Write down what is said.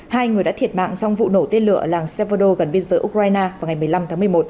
hai người đã thiệt mạng trong vụ nổ tên lửa làng sevodo gần biên giới ukraine vào ngày một mươi năm tháng một mươi một